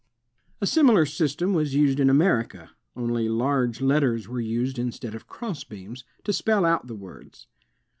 A similar system was used in America, only large letters were used instead of crossbeams, to spell out the words.